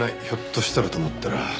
ひょっとしたらと思ったら。